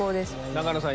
永野さん